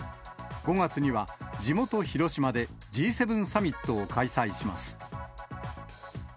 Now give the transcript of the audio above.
５月には、地元、広島でＧ７サミットを開催します。